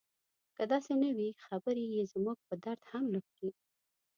که داسې نه وي خبرې یې زموږ په درد هم نه خوري.